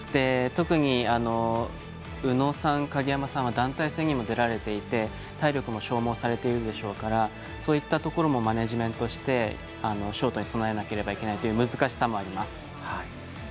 特に宇野さん、鍵山さんは団体戦にも出られていて体力も消耗されているでしょうからそういったところもマネージメントしてショートに備えなければいけないという難しさもあります。